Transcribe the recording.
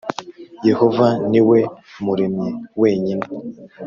Yehova ni we Muremyi wenyine